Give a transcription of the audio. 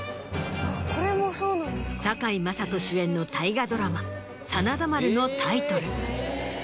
堺雅人主演の大河ドラマ『真田丸』のタイトル。